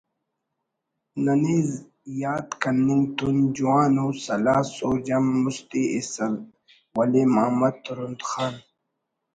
ننے یات کننگ تون جوان ءُ سلاہ سوج ہم مستی ایسر ولے ماما ترند خان